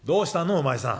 お前さん。